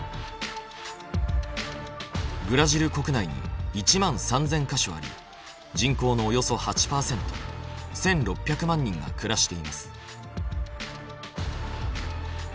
ブラジル国内に１万３，０００か所あり人口のおよそ８％１，６００万人が暮らしています。